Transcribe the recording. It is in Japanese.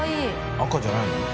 赤じゃないの？